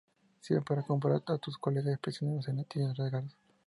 Sirven para comprar a tus colegas prisioneros en la tienda de regalos.